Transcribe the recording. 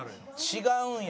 違うんや。